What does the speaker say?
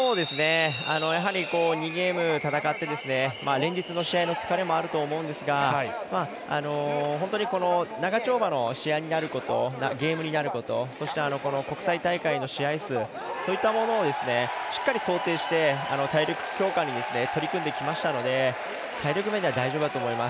やはり２ゲーム戦って連日の試合の疲れもあると思うんですが本当に、長丁場のゲームになることそして、国際大会の試合数そういったものをしっかり想定して体力強化に取り組んできましたので体力面では大丈夫だと思います。